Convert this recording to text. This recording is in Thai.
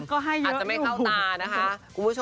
ก็ให้เรียบร้อยอาจจะไม่เข้าตานะคะ